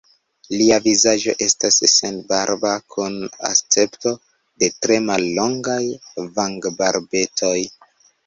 Lia vizaĝo estas senbarba kun escepto de tre mallongaj vangbarbetoj.